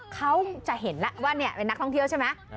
เขาจะเห็นแล้วว่าเป็นนักท่องเที่ยวใช่ไหม